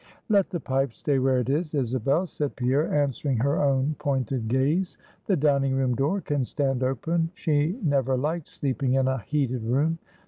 "Let the pipe stay where it is, Isabel," said Pierre, answering her own pointed gaze. "The dining room door can stand open. She never liked sleeping in a heated room.